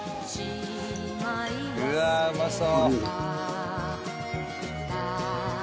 うわあうまそう！